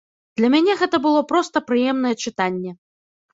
Для мяне гэта было проста прыемнае чытанне.